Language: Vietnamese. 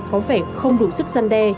có vẻ không đủ sức giăn đe